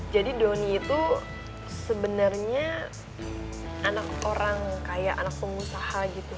jadi donny itu sebenernya anak orang kaya anak pengusaha gitu